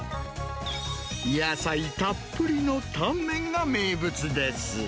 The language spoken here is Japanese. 野菜たっぷりのタンメンが名物です。